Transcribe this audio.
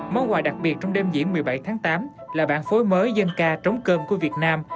món quà đặc biệt trong đêm diễn một mươi bảy tháng tám là bản phối mới dân ca trống cơm của việt nam